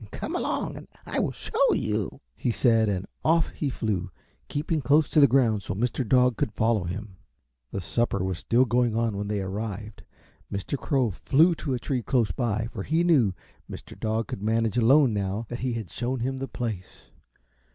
"Come along and I will show you," he said, and off he flew, keeping close to the ground so Mr. Dog could follow him. The supper was still going on when they arrived; Mr. Crow flew to a tree close by, for he knew Mr. Dog could manage alone now that he had shown him the place.